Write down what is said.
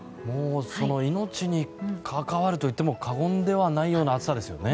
命に関わるといっても過言ではないような暑さですよね。